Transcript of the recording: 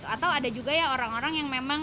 atau ada juga ya orang orang yang memang